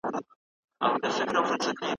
معلومات د څېړنې پروسې یوه مهمه برخه ده.